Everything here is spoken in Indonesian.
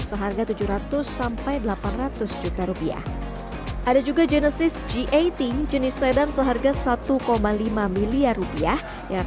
seharga tujuh ratus sampai delapan ratus juta rupiah ada juga genesis g delapan belas jenis sedan seharga satu lima miliar rupiah yang